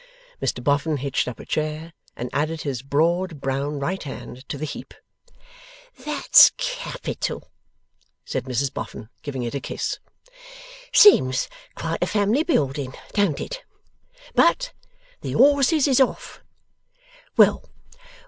Mr Boffin hitched up a chair, and added his broad brown right hand to the heap. 'That's capital!' said Mrs Boffin, giving it a kiss. 'Seems quite a family building; don't it? But the horses is off. Well!